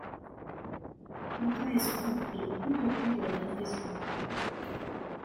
Kanta-Espoo est le plus peuplé de la ville d'Espoo.